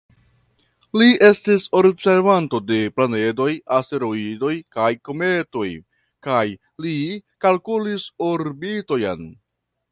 Li estis observanto de planedoj, asteroidoj kaj kometoj kaj li kalkulis orbitojn.